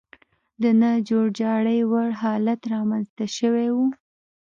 د نه جوړجاړي وړ حالت رامنځته شوی و.